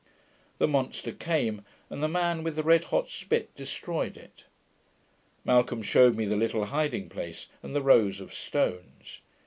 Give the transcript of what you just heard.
The monster came, and the man with the red hot spit destroyed it. Malcolm shewed me the little hiding place, and the rows of stones.